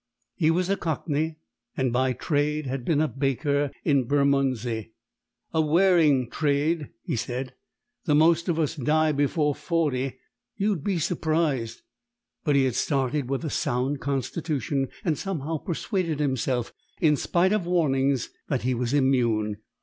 He was a Cockney, and by trade had been a baker in Bermondsey. "A wearing trade," he said. "The most of us die before forty. You'd be surprised." But he had started with a sound constitution, and somehow persuaded himself, in spite of warnings, that he was immune.